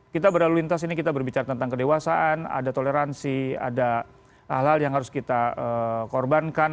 kita berlalu lintas ini kita berbicara tentang kedewasaan ada toleransi ada hal hal yang harus kita korbankan